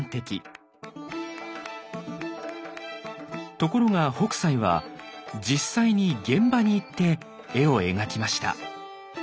ところが北斎は実際に現場に行って絵を描きました。